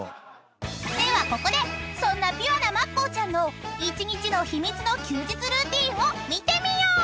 ではここでそんなピュアなまっこーちゃんの一日の秘密の休日ルーティンを見てみよう！］